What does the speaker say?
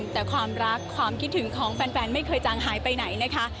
แต่ความรักความคิดถึงของแฟนไม่เคยจางหายไปไหนนะคะ